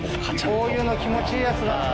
こういうの気持ちいいやつだ！